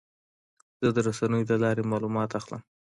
زه د رسنیو له لارې معلومات اخلم.